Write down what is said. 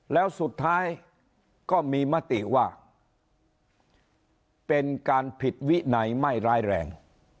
แล้วสุดท้ายก็มีมติว่าเป็นการผิดวินัยไม่ร้ายแรง